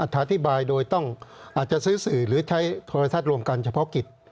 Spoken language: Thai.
อธิบายโดยต้องอาจจะซื้อสื่อหรือใช้โทรทัศน์รวมกันเฉพาะกิจ